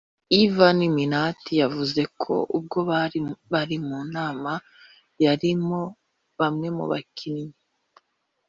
Ivan Minaert yavuze ko ubwo bari bari mu nama yarimo bamwe mu bakinnyi